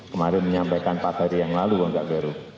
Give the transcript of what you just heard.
kemarin menyampaikan pak dari yang lalu enggak baru